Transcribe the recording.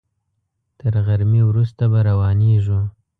تر غرمې وروسته به روانېږو.